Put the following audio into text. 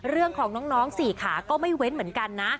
เรื่องของน้องสี่ขาก็ไม่เว้นเหมือนกันนะ